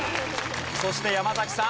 そして山崎さん